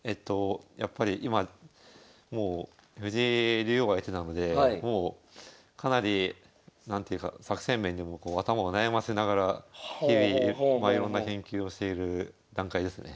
やっぱり今もう藤井竜王が相手なのでかなり何ていうか作戦面でも頭を悩ませながら日々いろんな研究をしている段階ですね。